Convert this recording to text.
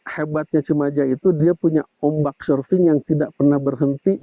hebatnya cimaja itu dia punya ombak surfing yang tidak pernah berhenti